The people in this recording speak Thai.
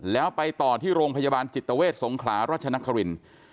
แล้วไปต่อที่โรงพยาบาลจิตเวทสงขลารัชนครินทร์